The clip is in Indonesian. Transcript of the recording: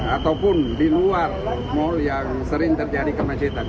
ataupun di luar mal yang sering terjadi kemacetan